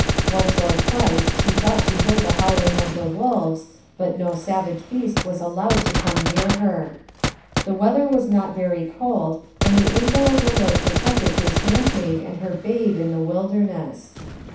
Once or twice she thought she heard the howling of the wolves, but no savage beast was allowed to come near her. The weather was not very cold, and the angel of the Lord protected His handmaid and her babe in the wilderness.